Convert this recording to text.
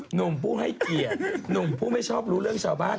หนุ่มผู้ให้เกียรติหนุ่มผู้ไม่ชอบรู้เรื่องชาวบ้าน